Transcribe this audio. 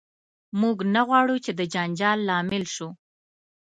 موږ نه غواړو چې د جنجال لامل شو.